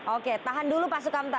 oke tahan dulu pak sukamta